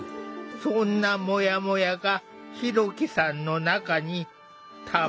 そんなモヤモヤがひろきさんの中にたまっていった。